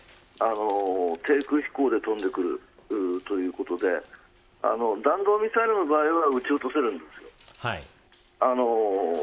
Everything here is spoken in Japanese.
低空飛行で飛んでくるということで弾道ミサイルの場合は撃ち落とせます。